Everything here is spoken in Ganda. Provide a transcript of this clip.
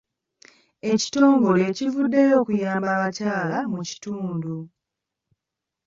Ekitongole kivuddeyo okuyamba abakyala mu kitundu.